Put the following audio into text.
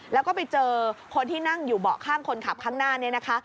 แล้วก็ไปเจอคนที่นั่งอยู่เบาะข้างคนขับข้างหน้านี้นะคะ